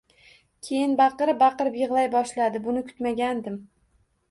Keyin baqirib-baqirib yig‘lay boshladi, buni kutmagandim